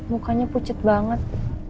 mukanya pucat banget